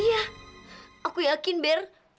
iya aku yakin bear